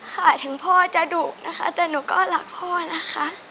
ค่ะถึงพ่อจะดุนะคะแต่หนูก็รักพ่อนะคะ